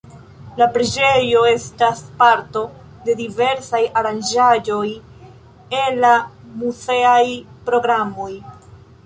La preĝejo estas parto de diversaj aranĝaĵoj en la muzeaj programoj.